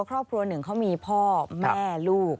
ครอบครัวหนึ่งเขามีพ่อแม่ลูก